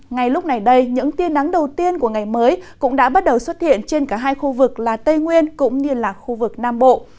ngay lúc này đây những tiên nắng đầu tiên của ngày mới cũng đã bắt đầu xuất hiện trên cả hai khu vực là tây nguyên cũng như là khu vực nam bộ